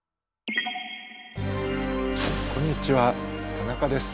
こんにちは田中です。